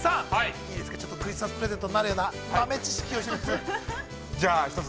いいですか、クリスマスプレゼントになるような、豆知識をひとつ。